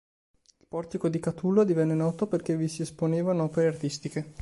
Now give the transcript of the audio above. Il portico di Catulo divenne noto perché vi si esponevano opere artistiche.